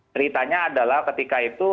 ceritanya adalah ketika itu